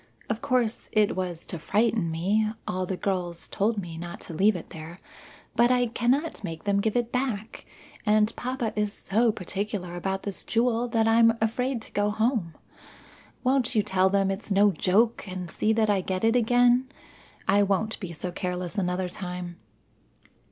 Of course, it was to frighten me; all of the girls told me not to leave it there. But I I cannot make them give it back, and papa is so particular about this jewel that I'm afraid to go home. Won't you tell them it's no joke, and see that I get it again. I won't be so careless another time."